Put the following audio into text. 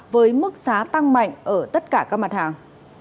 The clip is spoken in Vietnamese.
với mức giá tăng mạnh ở tất cả các mặt hàng